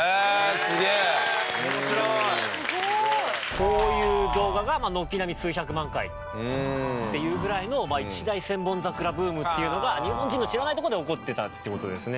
こういう動画が軒並み数百万回っていうぐらいの一大『千本桜』ブームっていうのが日本人の知らないところで起こってたという事ですね。